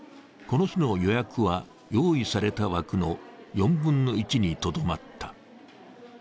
この日の予約は用意された枠の４分の１にとどまった。